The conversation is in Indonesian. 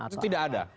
itu tidak ada